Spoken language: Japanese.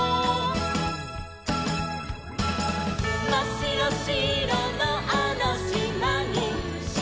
「まっしろしろのあのしまに」